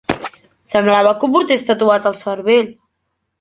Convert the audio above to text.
Semblava que ho portés tatuat al cervell.